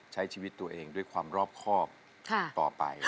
ใช้ชีวิตตัวเองด้วยความรอบครอบต่อไป